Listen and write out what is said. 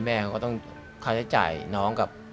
แม่เขาก็ต้องค่าใช้จ่ายน้องกับ